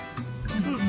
うん。